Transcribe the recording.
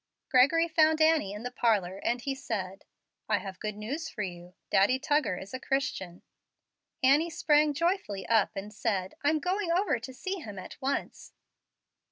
Gregory found Annie in the parlor, and he said, "I have good news for you; Daddy Tuggar is a Christian." Annie sprang joyfully up and said, "I'm going over to see him at once."